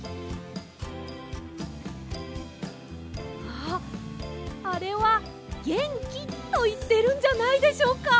ああれは「ゲンキ」といってるんじゃないでしょうか？